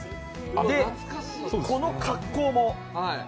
で、この格好も。